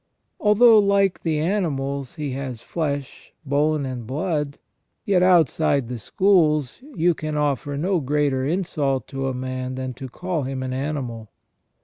Although like the animals he has '^ flesh, bone, and blood, yet outside the schools, you can offer no greater insult to a man than to call him an animal.